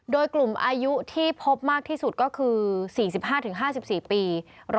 โดยกลุ่มอายุที่พบมากที่สุดก็คือ๔๕๕๔ปี